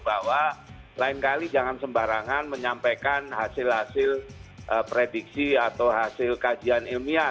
bahwa lain kali jangan sembarangan menyampaikan hasil hasil prediksi atau hasil kajian ilmiah